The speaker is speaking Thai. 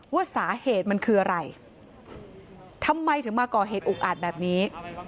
ว่าสาเหตุมันคืออะไรทำไมถึงมาก่อเหตุอุกอาจแบบนี้